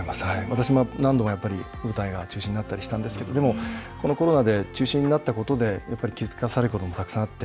私も何度もやっぱり舞台が中止になったりしたんですけれどもこのコロナで中止になったことで気付かされることもたくさんあって。